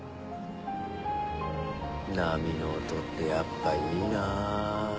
波の音ってやっぱいいなぁ。